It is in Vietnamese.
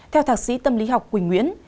theo thạc sĩ tâm lý học quỳnh nguyễn